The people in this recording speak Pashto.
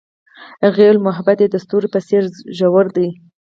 هغې وویل محبت یې د ستوري په څېر ژور دی.